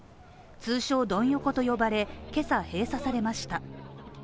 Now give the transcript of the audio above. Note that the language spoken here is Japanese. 通称・ドン横と呼ばれ今朝、閉鎖されました。